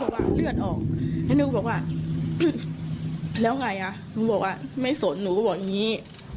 ว่าเลือดออกแล้วหนูก็บอกว่าแล้วไงอ่ะหนูบอกว่าไม่สนหนูก็บอกอย่างนี้